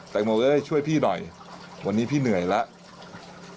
แตงโมเอ้ยช่วยพี่หน่อยวันนี้พี่เหนื่อยแล้ว